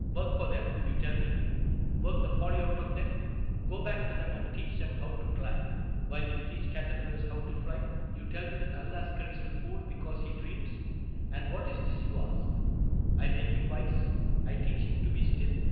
" Work for them. You tell me ? Work the folly out of them ? Go back to them and teach them how to climb. While you teach caterpillars how to fly ? You tell me that Alnaschar is a fool Because he dreams ? And what is this you ask ? I make him wise ? I teach him to be still